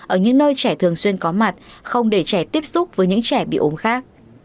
ở những nơi trẻ thường xuyên có mặt không để trẻ tiếp xúc với những trẻ bị ốm khác